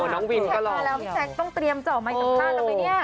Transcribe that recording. น้องวินก็หล่อมาแล้วพี่แทคต้องเตรียมเจาะใหม่ต่างแล้วไงเนี่ย